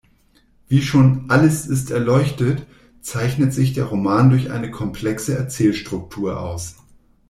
Wie schon "Alles ist erleuchtet" zeichnet sich der Roman durch eine komplexe Erzählstruktur aus.